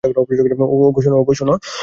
ওগো, শুনো।